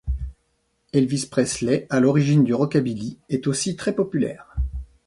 Elvis Presley à l'origine du rockabilly est aussi très populaire.